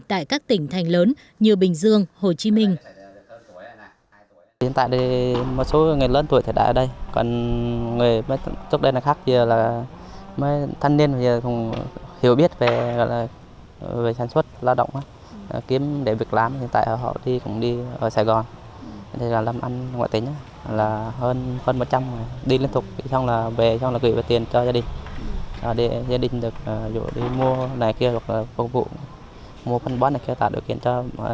tại các tỉnh thành lớn như bình dương hồ chí minh